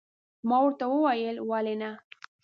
ما ورته وویل، ولې نه.